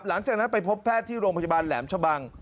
หลังจากนั้นไปพบแพทย์ที่โรงพยาบาลแหลมชะบัง